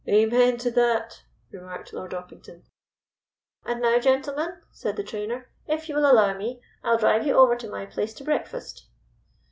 "Amen to that," remarked Lord Orpington. "And now, gentlemen," said the trainer, "if you will allow me, I will drive you over to my place to breakfast."